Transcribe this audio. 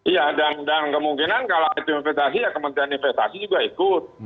iya dan kemungkinan kalau itu investasi ya kementerian investasi juga ikut